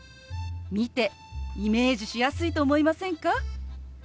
見てイメージしやすいと思いませんか？